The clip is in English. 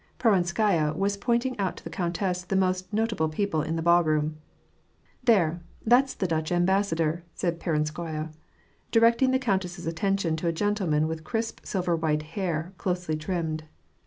Peronskaya was pointing out to the countess the most not able people in the ballroom. " There ! that's the Dutch ambassador," said Peronskaya, directing the countess's attention to a gentleman with crisp silver white hair, closely trimmed.